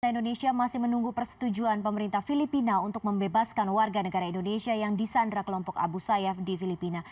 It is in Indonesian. indonesia masih menunggu persetujuan pemerintah filipina untuk membebaskan warga negara indonesia yang disandra kelompok abu sayyaf di filipina